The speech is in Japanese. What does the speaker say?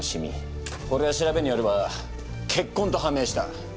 これは調べによれば血痕と判明した！